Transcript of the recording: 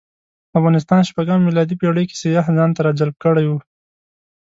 افغانستان شپږمه میلادي پېړۍ کې سیاح ځانته راجلب کړی و.